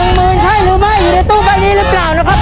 หมื่นใช่หรือไม่อยู่ในตู้ใบนี้หรือเปล่านะครับ